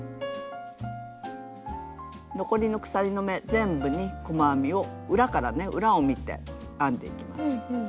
全部に細編みを裏からね裏を見て編んでいきます。